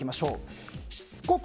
しつこく